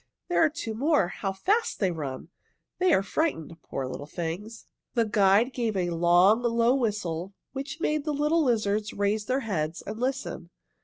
There are two more. How fast they run! They are frightened. Poor little things!" The guide gave a long, low whistle which made the little lizards raise their heads and listen.